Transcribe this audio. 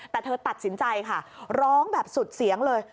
แต่เธอตัดสินใจค่ะร้องแบบสุดเสียงเลย